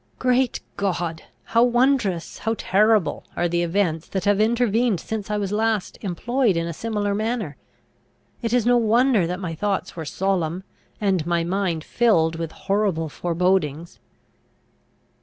Great God! how wondrous, how terrible are the events that have intervened since I was last employed in a similar manner! It is no wonder that my thoughts were solemn, and my mind filled with horrible forebodings!